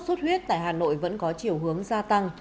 xuất huyết tại hà nội vẫn có chiều hướng gia tăng